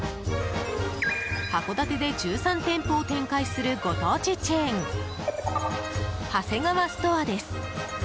函館で１３店鋪を展開するご当地チェーンハセガワストアです。